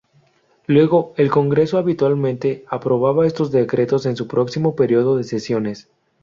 Luego, el Congreso habitualmente aprobaba estos decretos en su próximo período de sesiones.